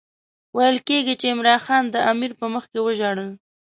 ویل کېږي چې عمرا خان د امیر په مخکې وژړل.